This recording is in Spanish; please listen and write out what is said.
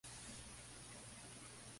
Fue producido por Mike Levine y Noel Golden.